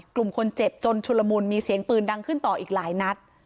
กลุ่มคนเจ็บจนชุลมุนมีเสียงปืนดังขึ้นต่ออีกหลายนัด